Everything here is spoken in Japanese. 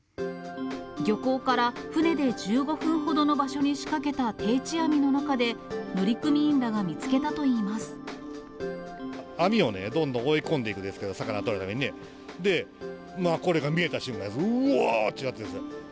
漁港から船で１５分ほどの場所に仕掛けた定置網の中で、網をね、どんどん追い込んでいくんですけど、魚取るためにね、で、これが見えた瞬間、うわーってなったんです。